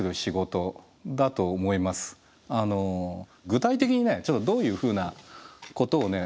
具体的にねちょっとどういうふうなことをね